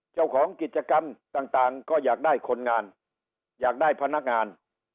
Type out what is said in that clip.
เจ้าของกิจกรรมต่างก็อยากได้คนงานอยากได้พนักงาน